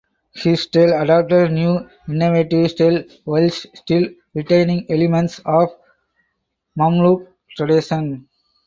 His style adopted new innovative style whilst still retaining elements of Mamluk tradition.